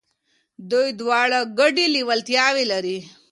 دوی دواړه ګډي لېوالتياوي لري.